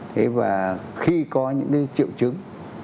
thế và khi có những cái triệu chứng